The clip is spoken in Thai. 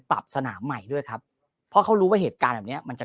ปรับสนามใหม่ด้วยครับเพราะเขารู้ว่าเหตุการณ์แบบเนี้ยมันจะ